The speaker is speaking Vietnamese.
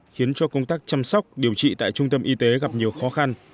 khiến cho công tác chăm sóc điều trị tại trung tâm y tế gặp nhiều khó khăn